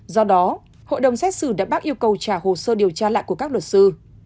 do đó hội đồng xét xử đã bác yêu cầu trả hồ sơ điều tra lại của các luật sư